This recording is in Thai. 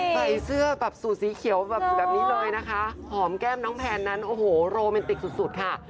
ใส่เสื้อแบบสูตรสีเขียวแบบนี้เลยนะคะหอมแก้มน้องแพนนั้นโอ้โหโรแมนติกสุดค่ะ